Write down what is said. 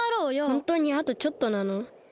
ホントにあとちょっとなの？